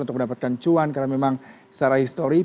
untuk mendapatkan cuan karena memang secara histori